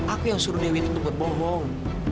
aku yang suruh dewi itu buat bohong